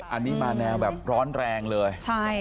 อันนี้มาแนวแบบร้อนแรงเลย